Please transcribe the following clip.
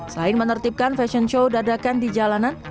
selain menertibkan fashion show dadakan di jalanan